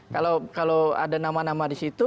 kalau ada nama nama disitu